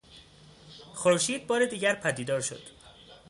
خورشید بار دیگر پدیدار شد.